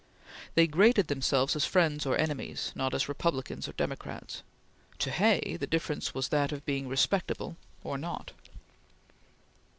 They graded themselves as friends or enemies not as Republicans or Democrats. To Hay, the difference was that of being respectable or not.